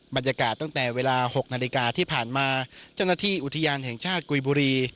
บรรยากาศตั้งแต่เวลา๖นาฬิกาที่ผ่านมาเจ้าหน้าที่อุทยานแห่งชาติกุยบุรี